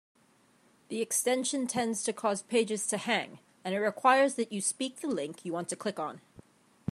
The extension tends to cause pages to hang, and it requires that you speak the link you want to click on.